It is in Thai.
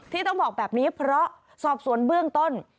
ที่ต้องบอกแบบนี้เพราะสอบสวนเบื้องต้น